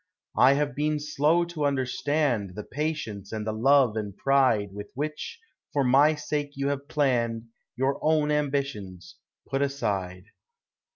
I have been slow to understand The patience and the love and pride "With which for my sake you have hour own ambitions put aside.